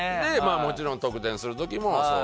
もちろん得点する時もそう。